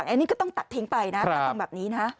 อันนี้ก็ต้องตัดทิ้งไปนะถ้าทำแบบนี้นะ